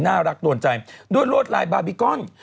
น่ารักนวลใจด้วยรวดลายบาร์บีกอล